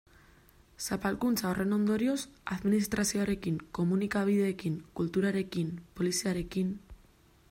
Zapalkuntza horren ondorioz, administrazioarekin, komunikabideekin, kulturarekin, poliziarekin...